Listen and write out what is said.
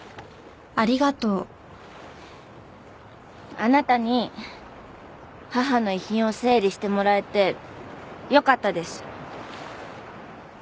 あなたに母の遺品を整理してもらえてよかったです。